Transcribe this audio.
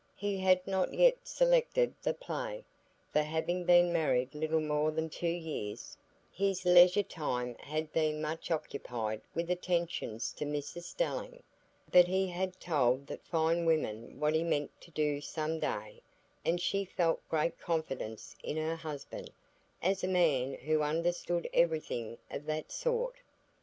He had not yet selected the play, for having been married little more than two years, his leisure time had been much occupied with attentions to Mrs Stelling; but he had told that fine woman what he meant to do some day, and she felt great confidence in her husband, as a man who understood everything of that sort.